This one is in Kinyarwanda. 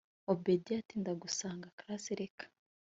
obedia ati ndagusanga class reka